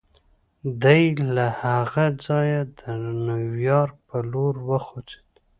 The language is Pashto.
دی له هغه ځايه د نيويارک پر لور وخوځېد.